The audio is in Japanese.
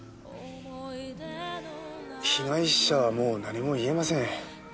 被害者はもう何も言えません。